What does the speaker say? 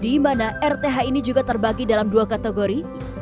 dimana rth ini juga terbagi dalam dua kategori